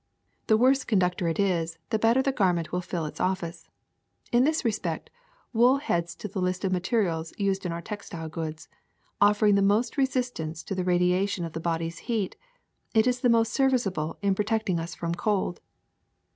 The worse conductor it is, the bet ter the garment will fill its office. In this respect wool heads the list of materials used in our textile goods ; offering the most resistance to the radiation Silkworm (about natural size) of the body's heat, it is the most serviceable in pro tecting us from cold.